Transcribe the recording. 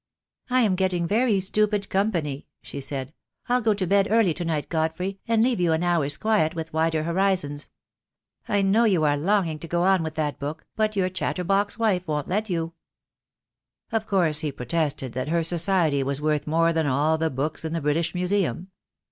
"I am getting very stupid company," she said. "I'll go to bed early to night, Godfrey, and leave you an hour's quiet wTith 'Wider Horizons.' I know you are longing to go on with that book, but your chatter box wife won't let you." 76 THE DAY WILL COME. Of course he protested that her society was worth more than all the books in the British Museum.